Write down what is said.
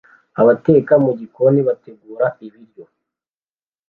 Abateka mu gikoni bategura ibiryo